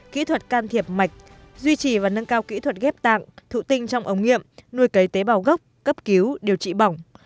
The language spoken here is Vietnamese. kỹ thuật can thiệp mạch duy trì và nâng cao kỹ thuật ghép tạng thụ tinh trong ống nghiệm nuôi cấy tế bào gốc cấp cứu điều trị bỏng